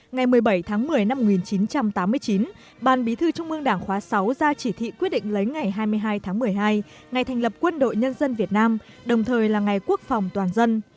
ngày một mươi bảy tháng một mươi năm một nghìn chín trăm tám mươi chín ban bí thư trung ương đảng khóa sáu ra chỉ thị quyết định lấy ngày hai mươi hai tháng một mươi hai ngày thành lập quân đội nhân dân việt nam đồng thời là ngày quốc phòng toàn dân